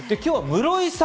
室井さん！